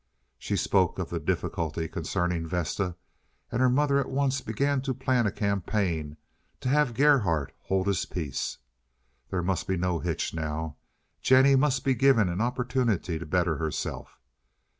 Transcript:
She spoke of the difficulty concerning Vesta, and her mother at once began to plan a campaign to have Gerhardt hold his peace. There must be no hitch now. Jennie must be given an opportunity to better herself.